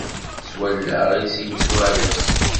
S wallaɣ-is i yettwarez.